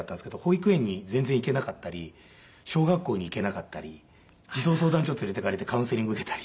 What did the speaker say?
保育園に全然行けなかったり小学校に行けなかったり児童相談所連れて行かれてカウンセリング受けたり。